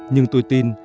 nhưng tôi tin